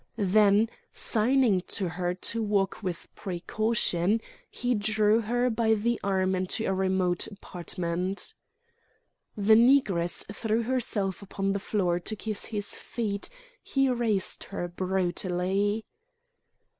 Then, signing to her to walk with precaution, he drew her by the arm into a remote apartment. The Negress threw herself upon the floor to kiss his feet; he raised her brutally.